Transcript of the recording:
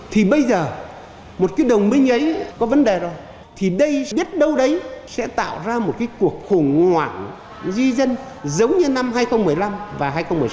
thì bây giờ một cái đồng minh ấy có vấn đề rồi thì đây biết đâu đấy sẽ tạo ra một cái cuộc khủng hoảng di dân giống như năm hai nghìn một mươi năm và hai nghìn một mươi sáu